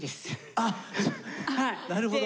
あっなるほど。